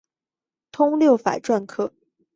通六法篆刻。